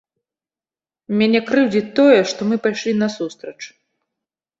Мяне крыўдзіць тое, што мы пайшлі насустрач.